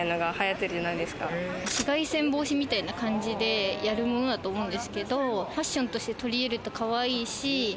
紫外線防止みたいな感じでやるものだと思うんですけど、ファッションとして取り入れるとかわいいし。